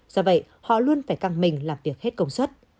do vậy họ luôn phải căng mình làm việc hết công suất